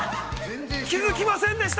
◆気づきませんでした。